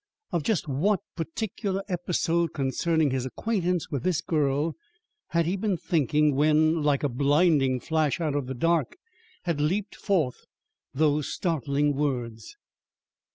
Of just what particular episode concerning his acquaintance with this girl had he been thinking when, like a blinding flash out of the dark, had leaped forth those startling words?